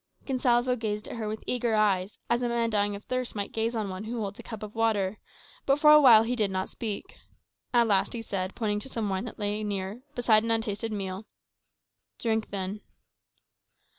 Gonsalvo gazed at her with eager eyes, as a man dying of thirst might gaze on one who holds a cup of water; but for a while he did not speak. At last he said, pointing to some wine that lay near, beside an untasted meal, "Drink, then."